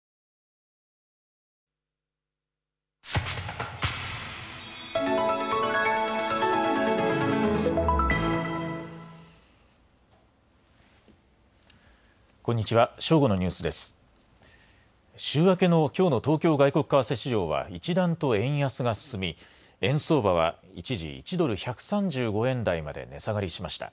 週明けのきょうの東京外国為替市場は一段と円安が進み円相場は一時、１ドル１３５円台まで値下がりしました。